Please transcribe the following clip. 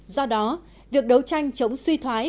do đó việc đấu tranh chống suy thoái